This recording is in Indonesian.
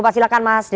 silahkan mas dede